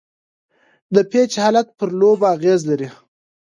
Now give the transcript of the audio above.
د پيچ حالت پر لوبه اغېز لري.